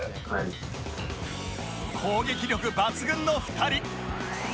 攻撃力抜群の２人